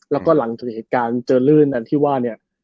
แล้วก็หลังจากเหตุการณ์เจอลื่นอันที่ว่าเนี่ย